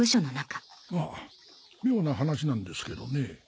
まあ妙な話なんですけどね